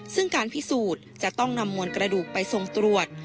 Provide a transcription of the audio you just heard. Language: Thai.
ซึ่งการพิสูจน์จะต้องนำมวลกระดูกไปทรงตรวจ